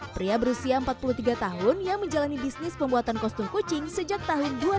pria berusia empat puluh tiga tahun yang menjalani bisnis pembuatan kostum kucing sejak tahun dua ribu